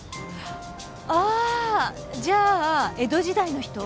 あじゃあ江戸時代の人？